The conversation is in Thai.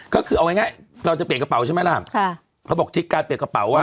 ก็คือเอาง่ายเราจะเปลี่ยนกระเป๋าใช่ไหมล่ะค่ะเขาบอกทิศการเปลี่ยนกระเป๋าอ่ะ